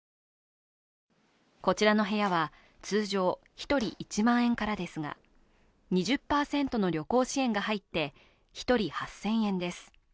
こちらの部屋は通常、１人１万円からですが、２０％の旅行支援が入って１人８０００円です。